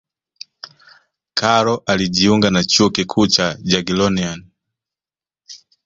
karol alijiunga na chuo kikuu cha jagiellonian